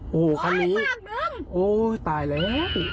โอ้โหคันนี้โอ้ยตายแล้ว